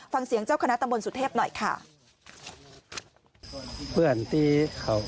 ฟังเสียงเจ้าคณะตำรวจสุทธิพย์หน่อยค่ะ